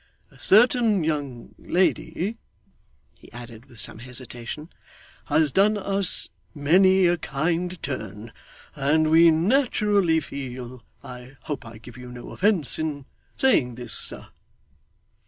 A certain young lady,' he added, with some hesitation, 'has done us many a kind turn, and we naturally feel I hope I give you no offence in saying this, sir?